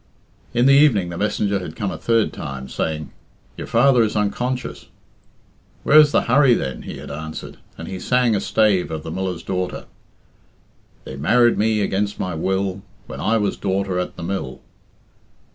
In the evening the messenger had come a third time, saying, "Your father is unconscious." "Where's the hurry, then?" he had answered, and he sang a stave of the "Miller's Daughter" "They married me against my will, When I was daughter at the mill."